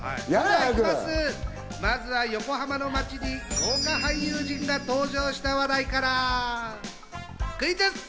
まずは横浜の街に豪華俳優陣が登場した話題から、クイズッス！